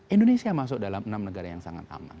indonesia masuk dalam enam negara yang sangat aman